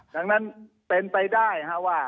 ดังนั้นเป็นไปได้ว่า